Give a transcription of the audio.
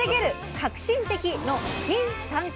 革新的！」の新３Ｋ！